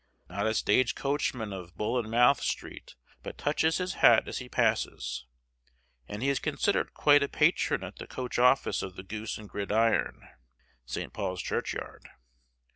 Not a stage coachman of Bull and Mouth Street but touches his hat as he passes, and he is considered quite a patron at the coach office of the Goose and Gridiron, St. Paul's Churchyard.